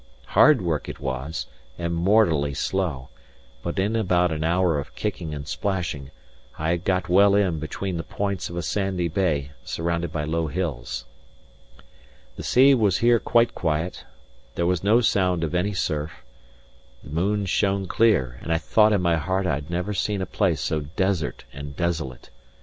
Hard work it was, and mortally slow; but in about an hour of kicking and splashing, I had got well in between the points of a sandy bay surrounded by low hills. The sea was here quite quiet; there was no sound of any surf; the moon shone clear; and I thought in my heart I had never seen a place so desert and desolate.